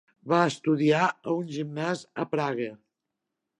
Va estudiar a un gimnàs a Praga.